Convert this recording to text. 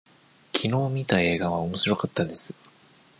きのう見た映画はおもしろかったです。